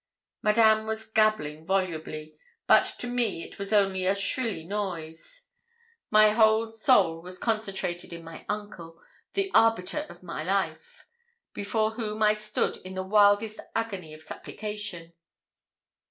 Madame was gabbling volubly, but to me it was only a shrilly noise. My whole soul was concentrated in my uncle, the arbiter of my life, before whom I stood in the wildest agony of supplication.